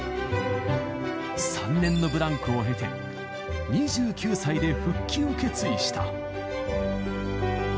３年のブランクを経て、２９歳で復帰を決意した。